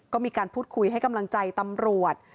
ก็มีการพูดคุยให้กำลังใจตำรวจ